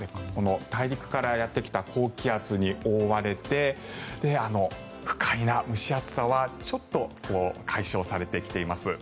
大陸からやってきた高気圧に覆われて不快な蒸し暑さはちょっと解消されてきています。